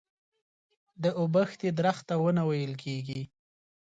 د اوبښتې درخته ونه ويل کيږي.